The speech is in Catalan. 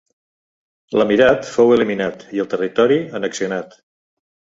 L'emirat fou eliminat i el territori annexionat.